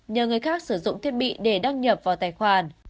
nhờ người khác sử dụng thiết bị để đăng nhập vào tài khoản